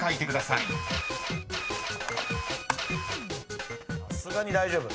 さすがに大丈夫。